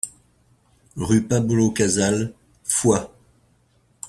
Rue Pablo Casals, Foix